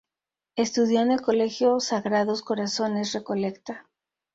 Estudió en el Colegio Sagrados Corazones Recoleta.